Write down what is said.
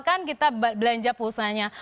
kan kita belanja pulsanya